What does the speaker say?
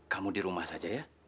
kamu di rumah saja ya